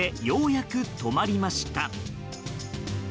ようやく止まりました。